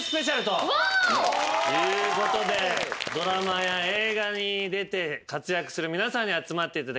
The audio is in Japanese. ドラマや映画に出て活躍する皆さんに集まっていただきまして。